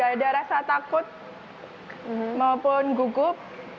tidak ada rasa takut maupun gugup